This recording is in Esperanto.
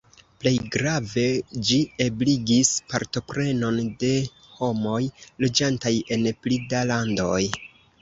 Plej grave ĝi ebligis partoprenon de homoj loĝantaj en pli da landoj.